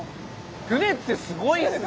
船ってすごいですね！